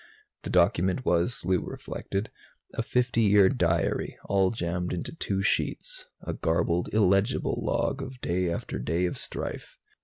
The document was, Lou reflected, a fifty year diary, all jammed onto two sheets a garbled, illegible log of day after day of strife.